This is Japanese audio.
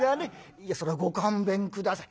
「いやそれはご勘弁下さい」。